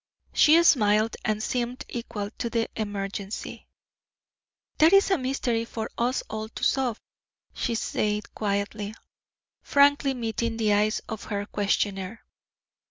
She smiled and seemed equal to the emergency. "That is a mystery for us all to solve," she said quietly, frankly meeting the eyes of her questioner.